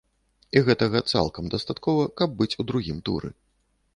І гэтага цалкам дастаткова, каб быць у другім туры.